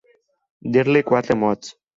Dir-li quatre mots.